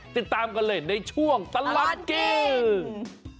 ติดตามกันเลยในช่วงตลอดกิน